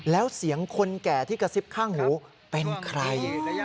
แล้วเสียงคนแก่ที่กระซิบข้างหูเป็นใคร